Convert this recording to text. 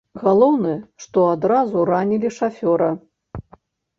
Галоўнае, што адразу ранілі шафёра.